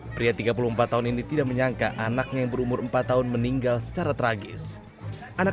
pria tiga puluh empat tahun ini tidak menyangka anaknya yang berumur empat tahun meninggal secara tragis anak